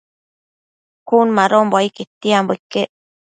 Cun madonbo ai quetianbo iquec